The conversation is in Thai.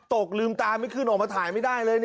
ลืมตาไม่ขึ้นออกมาถ่ายไม่ได้เลย